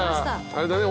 あれだね